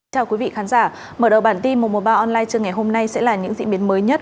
chào quý vị khán giả mở đầu bản tin một trăm một mươi ba online trưa ngày hôm nay sẽ là những diễn biến mới nhất